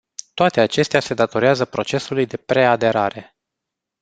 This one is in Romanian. Toate acestea se datorează procesului de preaderare.